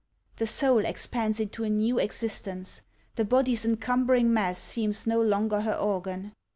The soul expands into a new existence. The body's encumbering mass seems no longer her organ.